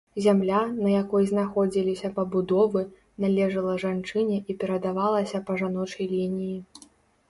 Зямля, на якой знаходзіліся пабудовы, належыла жанчыне і перадавалася па жаночай лініі.